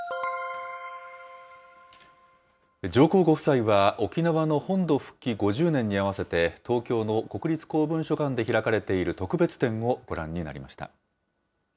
上皇ご夫妻は、沖縄の本土復帰５０年に合わせて、東京の国立公文書館で開かれている特別展をご覧になりました。